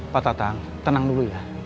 pak tatang tenang dulu ya